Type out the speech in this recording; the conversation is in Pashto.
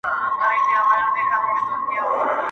o چي د ښـكلا خبري پټي ساتي.